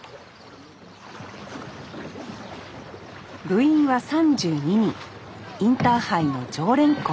部員は３２人インターハイの常連校２１。